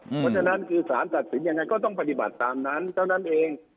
เพราะฉะนั้นคือสารตัดสินยังไงก็ต้องปฏิบัติตามนั้นเท่านั้นเอง